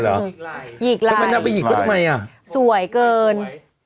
หยีกลายเขามานำไปหยีกกันทำไมอ่ะสวยเกิน